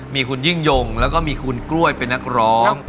มีคุณยิ่งยงแล้วก็มีคุณกล้วยเป็นนักร้อง